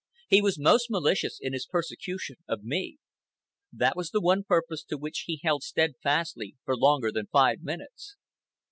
He was most malicious in his persecution of me. That was the one purpose to which he held steadfastly for longer than five minutes.